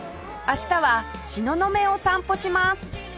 明日は東雲を散歩します